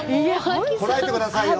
こらえてくださいよ！